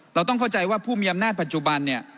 เราต้องเข้าใจว่าผู้มีอำนาจปัจจุบันเนี่ย